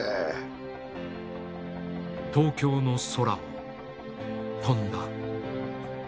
東京の空を飛んだ。